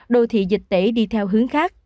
đô thị dịch tễ đi theo hướng khác